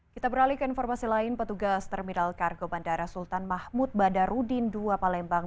kita beralih ke informasi lain petugas terminal kargo bandara sultan mahmud badarudin ii palembang